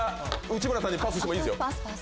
内村さんにパスしてもいいですよ。